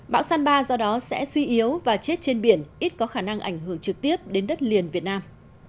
bão san ba do đó sẽ suy yếu và chết trên biển ít có khả năng ảnh hưởng trực tiếp đến đất liền việt nam